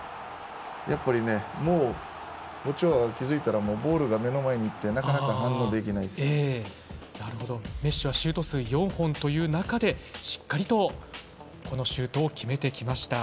やっぱりね、もうオチョアは気付いたらボールが目の前にいてメッシはシュート数４本という中でしっかりとこのシュートを決めてきました。